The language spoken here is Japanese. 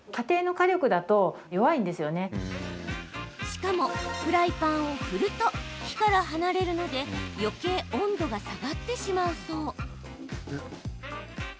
しかも、フライパンを振ると火から離れるのでよけい温度が下がってしまうそう。